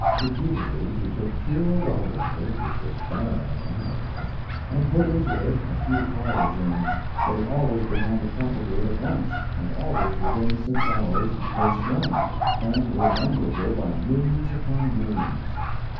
Repeatedly, he took pure well water which was barren of animal life, and put into it a few cholera germs; they always began to propagate at once, and always within six hours they swarmed and were numberable by millions upon millions.